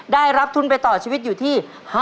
ได้รับทุนไปต่อชีวิตอยู่ที่